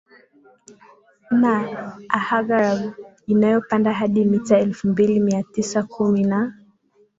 na Ahaggar inayopanda hadi mita elfu mbili Mia Tisa kumi na